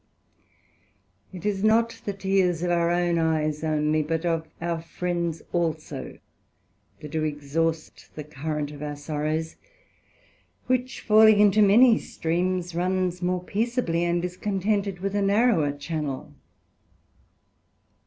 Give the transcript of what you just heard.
It is not the tears of our own eyes only, but of our friends also, that do exhaust the current of our sorrows; which falling into many streams, runs more peaceably, and is contented with a narrower channel.